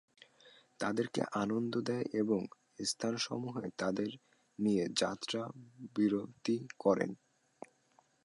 তাদেরকে আনন্দ দেয় এমন স্থানসমূহে তাঁদের নিয়ে যাত্রা বিরতি করতেন।